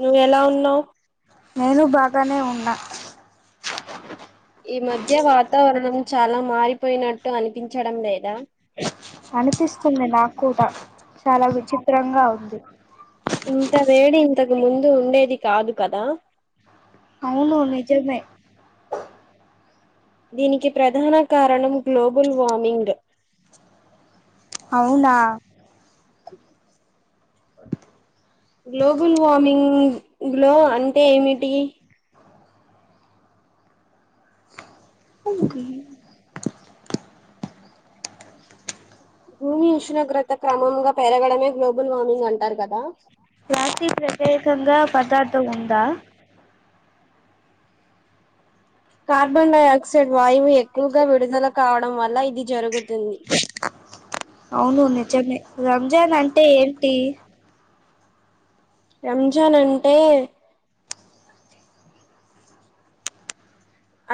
నువ్వెలా ఉన్నావు ఈ మధ్య వాతావరణము చాలా మారిపోయినట్టు అనిపించడం లేదా అనిపిస్తుంది నాకూడా చాలా విచిత్రంగా ఉంది ఇంతా వేడి ఇంతకముందు ఉండేది కాదు కదా అవును నిజమే దీనికి ప్రధానకారణం గ్లోబల్ వార్మింగ్ అవునా గ్లోబల్ వార్మింగ్ లో అంటే ఏమి టీ అనుకో భూమి ఉష్ణోగ్రత క్రమముగా పెరగడమే గ్లోబల్ వార్మింగ్ అంటారు కదా క్లాసి ప్రత్యేకంగా పదార్థం ఉందా అవును నిజమే రంజాన్ అంటే ఏంటి రంజాన్ అంటే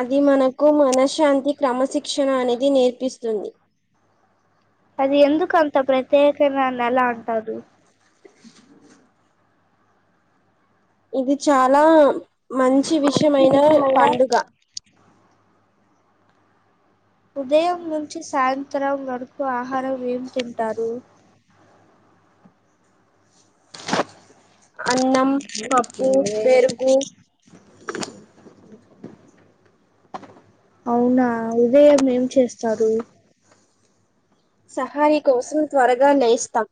అది మనకు మనశ్శాంతి క్రమశిక్షణ అనేది నేర్పిస్తుంది అది ఎందుకు అంత ప్రత్యేకైన నెల అంటారు ఇది చాలా మంచి విషయమైన పండుగ ఉదయం నుంచి సాయంత్రం వరకు ఆహారం ఏం తింటారు అన్నం పప్పుూ పెరుగు అవునా ఉదయం ఏం చేస్తారు సహాయం కోసం త్వరగా లేస్తాం,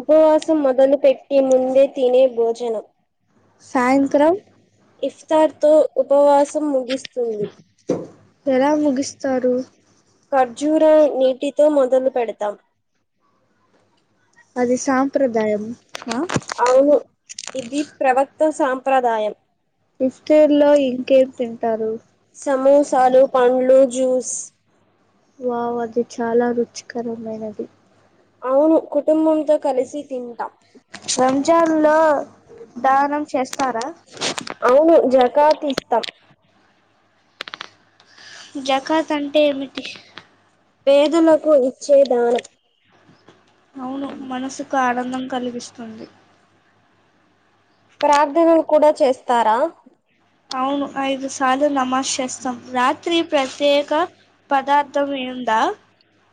ఉపవాసం మొదలు పెట్టి ముందే తినే భోజనం సాయంత్రం ఇస్తార్ తో ఉపవాసం ముగుస్తుంది ఖర్జూర నీటితో మొదలు పెడతాం అవును ఇది ప్రవక్త సాంప్రదాయం సమోసాలు పండ్లు జూస్ వా అది చాలా రుచికరమైనది అవును కుటుంబంతో కలిసి తింటాం. అవును జకా తీస్తాం జకాత్ అంటే ఏమిటి వేదులో అవును మనసుకు ఆనందం కలిగిస్తుంది. అవును ఐదు సార్లు నమాజ్ చేస్తాం రాత్రి ప్రత్యేక పదార్థం ఏందా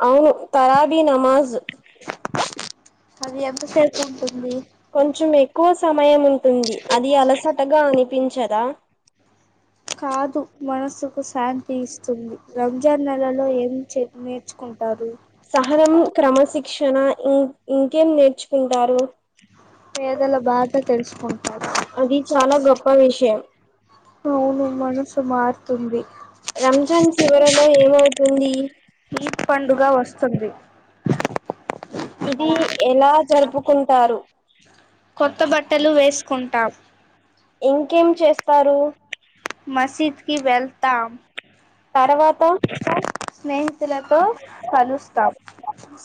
అ తరాబ నమాజ కొంచెం ఎక్కువ సమయం ఉంటుంది. అది అలసటగా అనిపించదా. కాదు మనస్సుకు శాంతి ఇస్తుంది. రంజాన్ నెలలో ఏం నేర్చుకుంటారు. సహ ఇంకేం నేర్చుకుంటారు పేదల బాట తెలుసుకుంటారు అది చాలా కొత్త విషయం ఆవును. మనసు మారుతుంది రంజాన్ ఈద్ పండుగ వస్తుంది. [inaudible] ఇదీ ఎలా జరుపుకుంటారు కొత్త బట్టలు వేసుకుంటాం ఇంకేం చేస్తారూ. మసీద్క్ వెల్తామ్. తర్వాత ఫస్ట్ స్నేహితులతో కలస్తాం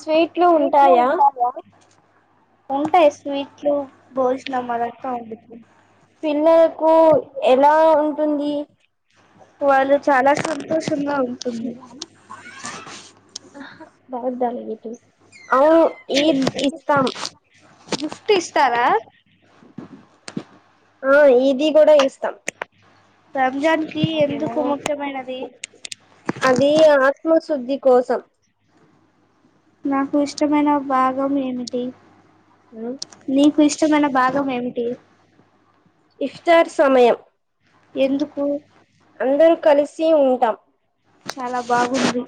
స్వీట్లు ఉంటాయా. ఉంటాయి స్వీట్లు పిల్లలకు పిల్లకు ఎలా ఉ ఉంది. వాళ్ళు చాలా సంతోషంగా ఉంటుంది. అహ్ బాద్ బాడియుతు. అవ్ ఈద్ ఇస్తా గిఫ్ట్ ఇస్తారా. ఆ ఈది గూడా ఇస్తా. రంజాన్ కి అది ఆ. సుద్ధి కోసం. నాకు ఇష్టమైన భాగం ఏమిటి. నీకు ఇష్టమైన భాగం ఏమిటీ ఇఫ్తార్ సమయం. ఎందుకు అందరు కలిసే ఉందం. చాల బాగుంది.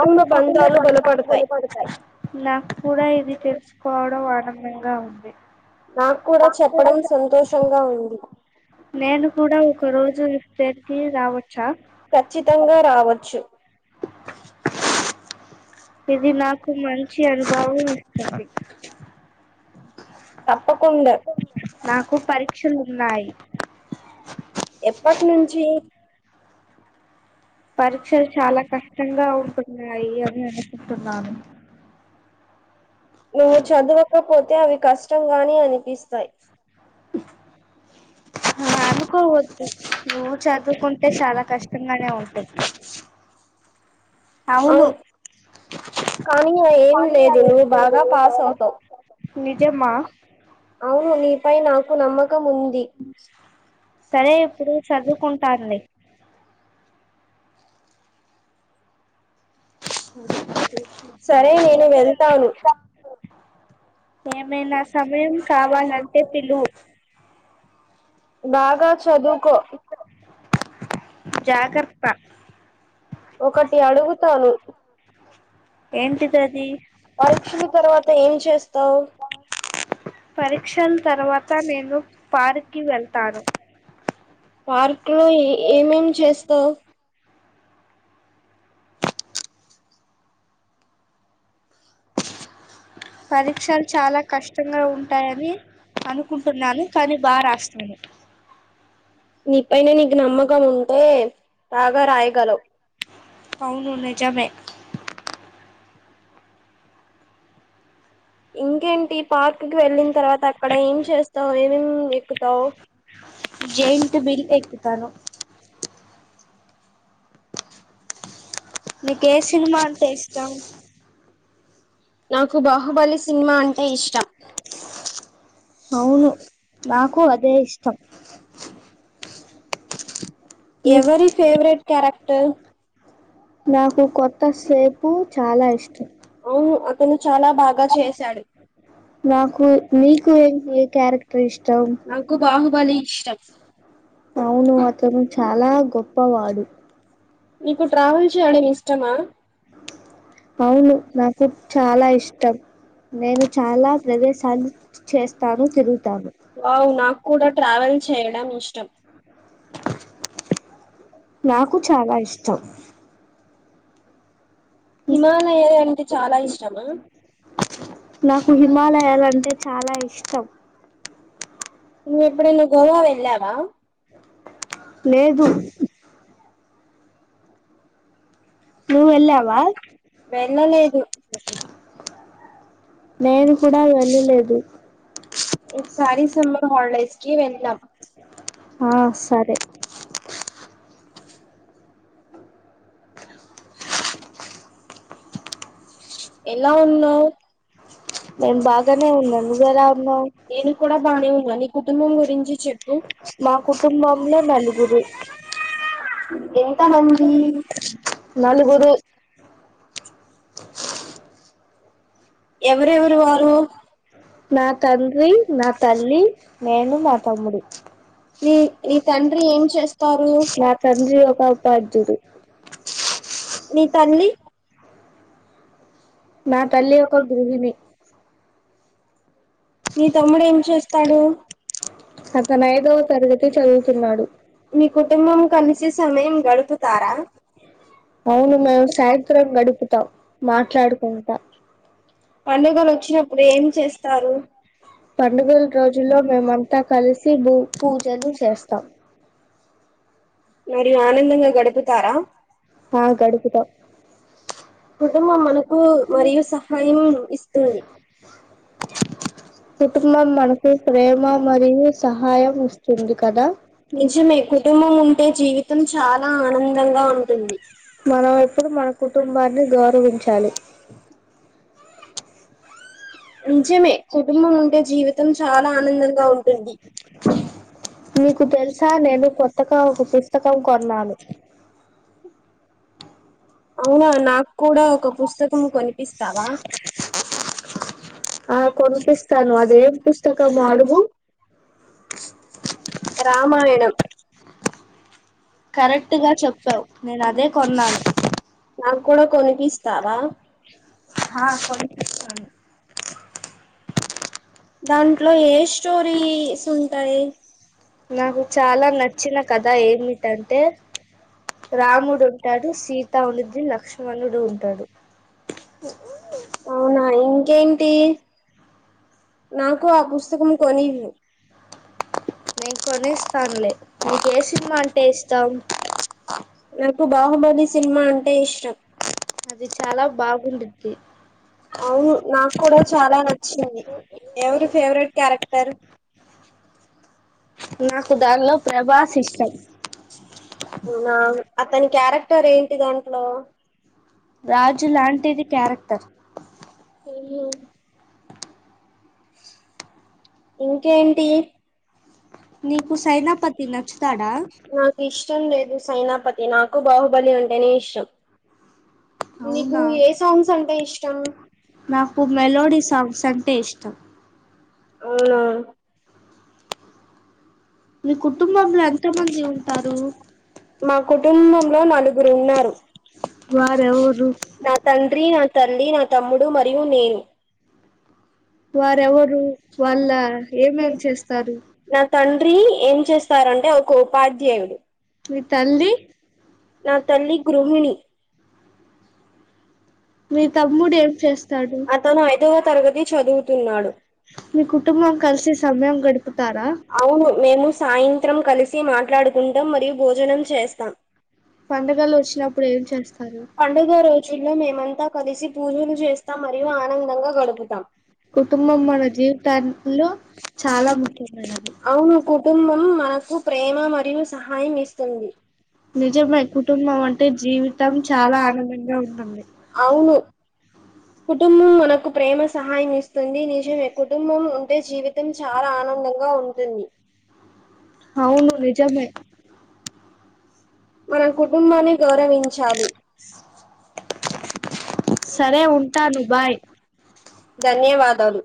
అవును కుటుంబ బంధాలు బలపడతాయి. నాకు కూడా ఇది తెలుసుకోవడం ఆనందంగా ఉంది. నేను కూడా ఒక రోజు ఈ స్టేట్ కి. రావచ్చా కచ్చితంగా ఇది నాకు మంచి అనుభవం ఇస్తుంది నాకు పరీక్షలు ఉన్నాయి పరిక్షలు చాలా కష్టంగా ఉంటున్నాయి అని అనుకుంటున్నాను. నువ్వు చదువకపోతే అవి. కష్టం గానే అనిపిస్తాయ్ ఆలా అనుకోవద్దు నువ్వు చదువుకుంటే చాలా కష్టంగానే ఉంటయ్. అవును. కానీ అ ఏమి లేదు నువ్వు బాగా పాస్ అవుతావు నిజామా నీపై నాకు నమ్మకం ఉంది. సరే నేను వెళ్తాను ఏమైనా సమయం కావాలంటే పిలు బాగా చదువుకో ఒకటి అడుగుతాను పరీక్షల తరువాత ఏం చేస్తావ్ పార్క్ లో ఏ ఏమేమి చేస్తావ్ నీ పైన నీకు నమ్మకం ఉ ఏ అవును నిజమే ఇంకేంటి పార్కుకి వెళ్ళిన తర్వాత అక్కడ ఏం చేస్తావు ఏమం ఏమం ఎక్కుతావు నీకు ఏ సినిమా అంటే ఇష్టం నాకు బాహుబలి సినిమా అంటే ఇష్టం. అవునా నాకు అదే ఇష్టం ఎవరి ఫేవరెట్ క్యారెక్టర్ నాకు కొత్త సేపు చాలా ఇష్టం నాకు నీకు ఏ క్యారెక్టర్ ఇష్టం అవును అతను చాలా గొప్పవాడు నీకు ట్రావల్ చేయడం ఇష్టమా అవును నాకు చాలా ఇష్టం నేను చాలా ప్రదేశాలు చేస్తాను తిరుగుతాను నాకు చాలా ఇ ఇష్టం హిమాలయ ఏ అంటే చాలా ఇష్టమా నువు ఎప్పుడైనా గోవా వెళ్ళావా నువు వెళ్ళావా వెళ్ళలేదు నేను కూడా వెళ్ళలేదు ఓ సారి సమ్మర్ హరిడేస్ కి వెళ్ళా ఆ సరే నేను బాగానే ఉన్నా. నువు ఎలా ఉన్నావ్. మా కుటుంబంలో నలుగురు. నలుగురు నా తండ్రి, నా తల్లి, నేను, మా తమ్ముడు. నా తండ్రి ఒక ఉపాధ్యుడు. నా తల్లి ఒక గృహిణి. అతను ఐదవ తరగతి చదువుతున్నాడు. అవును మేము సాయంత్రం గడుపుతాం మాట్లాడుకుంటా పండుగలు వచ్చినప్పుడు ఏం చేస్తారు మరియు ఆనందంగా గడుపుతారా కుటుంబం మనకు మళ్ళ సహాయం ఇస్తుంది కుటుంబం మనకు ప్రేమ మరియు సహాయం వస్తుంది కదా కుటుంబం అంట చాలా ఆంద మనం ఎప్పుడు మన కుటుంబం అని గౌరవించాలి నిజమే జీవితం చాలా ఆనందంగా అయిపోంది మీకు తెలుసా నేను కొత్తగా ఒక పుస్తకం కొన్నాను అవునా నాకు కూడా ఒక పుస్తకం కొనిపిస్తావా తను అదే పుస్తకము అడుగు కరెక్ట్గా చెప్పావు నేను అదే కొన్నాను కొన్ని పిస్తాను దాంట్లో ఏ స్టోరీస్ ఉంటాయి అవునా ఇంకేంటి టి నాకు ఆ పుస్తకం కొనివు ఏ సినిమా అంటే ఇష్టం నాకు బాహుబలి సినిమా అంటే హె షరబ్ చాల బాగు అవును నాకు కూడా చాలా నచ్చింది ఎవరి ఫేవరెట్ క్యారెక్టర్ నాకు అతనికి క్యారెక్టర్ ఏంటి దొంట్లో రాజు లాంటిది క్యారెక్టర్ స [inaudible] ఇంకేంటి నాకు ఇష్టం లేదు సైనాపతి నాకు బాహుబలి ఉంటేనే ఇష్టం. అవునా. నాకు మెలోడీ సాంగ్స్ అంటే ఇష్టం. అవునా మీ కుటుంబంలో ఎంత మంది ఉంటారు వారు ఎవరు తమ్ముడు మరియు నేను వారెవరు వాళ్ళ ఏమేమి చేస్తారు ఏం చేస్తారంటే ఒక ఉపాధ్యాయుడు మీ తల్లి నా తల్లి గృహిణి మీ తమ్ముడు ఏం చేస్తాడు చదువుతున్నాడు. మీ కుటుంబం కలిసి సమయం గడుపుతారా మాత్రం కలిసి మాట్లాడుకుంటాం మరియు భోజనం చేస్తాం. పంగ రోజుల పండుగ రోజుల్లో మేమంత కలిసి పూజలు చేస్తా మరియు ఆనందంగా గడుపుతా అవు కుటుంబం మన ప్రేమ మరియు సహాయం ఇస్తుంది. ని జీవితం చాలా ఆన అవును కుటుంబం మనకు ప్రేమ సహాయం ఇస్తు నిజం కుటుంబం ఉంటే జీవితం చాలా ఆనందంగా ఉంటుంది అవును ని మనం కుటుంబాన్ని గౌరవించాలి సరే ఉ ధన్యవాదాలు.